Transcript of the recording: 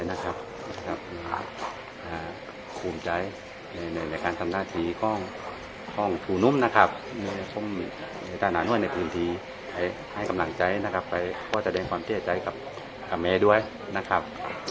พี่ครับเพราะว่าวันนั้นถ้าครูหนุ่มไม่เข้าไปปกป้องกันคิดว่าพระอาจารย์จะได้ความเที่ยวใจกับแม่ด้วยนะครับ